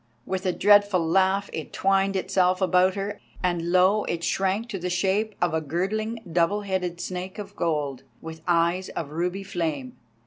With a dreadful laugh it twined itself about her, and lo! it shrank to the shape of a girdling, double headed snake of gold, with eyes of ruby flame.